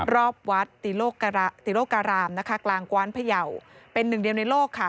รอบวัดติโลกการามนะคะกลางกว้านพยาวเป็นหนึ่งเดียวในโลกค่ะ